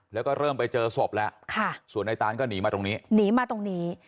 แล้วก็เริ่มไปเจอศพแล้วค่ะส่วนในตานก็หนีมาตรงนี้หนีมาตรงนี้